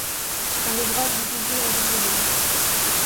C'est un ouvrage divisé en deux volumes.